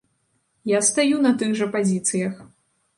Я стаю на тых жа пазіцыях.